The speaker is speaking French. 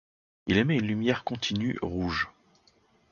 Il émet une lumière continue rouge.